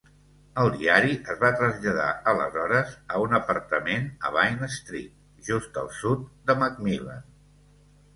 El diari es va traslladar aleshores a un apartament a Vine Street, just al sud de McMillan.